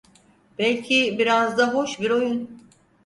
Belki biraz da hoş bir oyun…